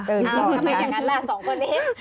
ทำไมอย่างนั้นล่ะสองคนนี้